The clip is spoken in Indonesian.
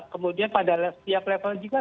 kemudian pada setiap level juga